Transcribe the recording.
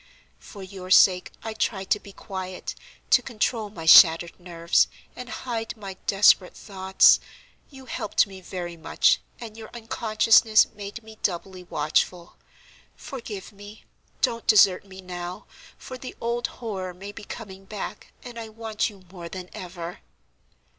For your sake I tried to be quiet, to control my shattered nerves, and hide my desperate thoughts. You helped me very much, and your unconsciousness made me doubly watchful. Forgive me; don't desert me now, for the old horror may be coming back, and I want you more than ever."